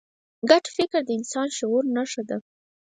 ګډ فکر د انسان د شعور نښه ده.